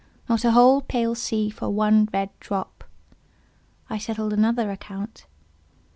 Not a whole pale sea for one red drop. I settled another account.